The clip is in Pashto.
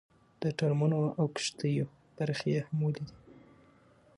د ټرمونو او کښتیو برخې یې هم ولیدې.